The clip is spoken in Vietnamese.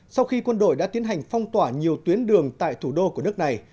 sau khi quân đội đã tiến hành phong tỏa nhiều tuyến đường tại thủ đô của nước này